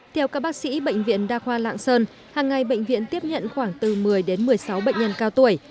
theo các bác sĩ bệnh viện đa khoa lạng sơn hàng ngày bệnh viện tiếp nhận khoảng từ một mươi đến một mươi sáu bệnh nhân cao tuổi